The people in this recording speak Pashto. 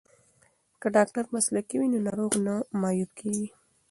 که ډاکټر مسلکی وي نو ناروغ نه معیوب کیږي.